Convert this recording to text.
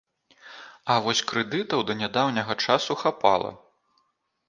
А вось крэдытаў да нядаўняга часу хапала.